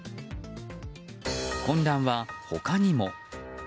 混乱は他にも。